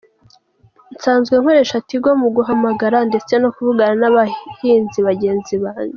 Nsanzwe nkoresha Tigo mu guhamagara, ndetse no kuvugana n’abahinzi bagenzi banjye.